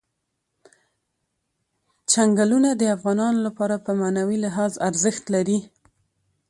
چنګلونه د افغانانو لپاره په معنوي لحاظ ارزښت لري.